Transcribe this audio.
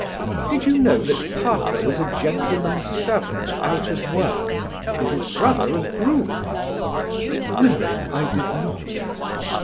"Did you know Parker was a gentleman's servant out of work, and his brother a groom?" "No; I did not."